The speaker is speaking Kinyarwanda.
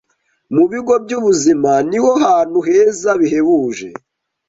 Mu bigo by’ubuzima ni ho hantu heza bihebuje